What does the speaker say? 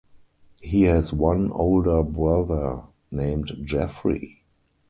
He has one older brother named Jeffrey.